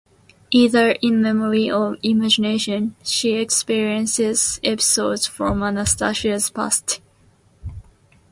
Either in memory or imagination, she experiences episodes from Anastasia's past ...